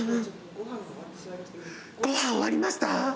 ご飯終わりました？